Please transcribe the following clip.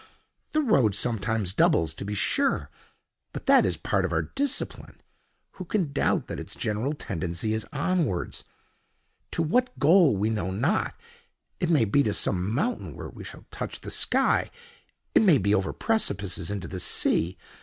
"The road sometimes doubles, to be sure, but that is part of our discipline. Who can doubt that its general tendency is onward? To what goal we know not—it may be to some mountain where we shall touch the sky, it may be over precipices into the sea.